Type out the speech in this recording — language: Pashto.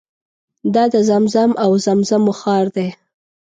دا د زمزم او زمزمو ښار دی.